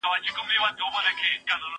زه ليکنې نه کوم!!